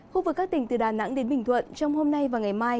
khu vực các tỉnh từ đà nẵng đến bình thuận trong hôm nay và ngày mai